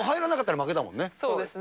そうですね。